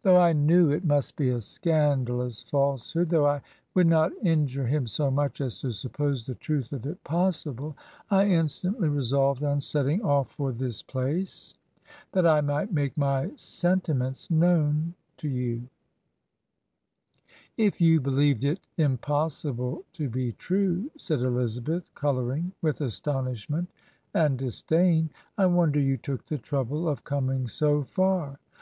Though I knew it must be a scandalous falsehood, though I would not injure him so much as to suppose the truth of it possible, I instantly resolved on setting oflF for this place, that I might make my sentiments known to you/ ' If you beUeved it impossible to be true,' said Elizabeth, coloring with astonishment and disdain, ' I wonder you took the trouble of coming so far.